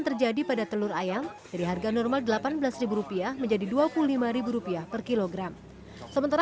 terjadi pada telur ayam dari harga normal delapan belas rupiah menjadi dua puluh lima rupiah per kilogram sementara